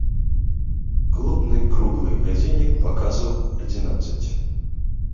Клубны круглы гадзіннік паказваў адзінаццаць.